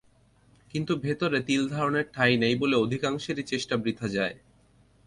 কিন্তু ভেতরে তিল ধারণের ঠাঁই নেই বলে অধিকাংশেরই চেষ্টা বৃথা যায়।